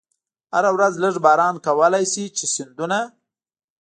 هره ورځ لږ باران کولای شي چې سیندونه.